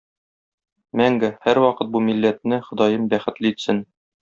Мәңге, һәрвакыт бу милләтне Ходаем бәхетле итсен.